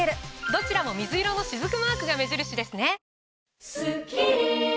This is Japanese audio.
どちらも水色のしずくマークが目印ですね！